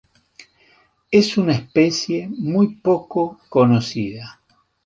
Es una especie muy poco conocida.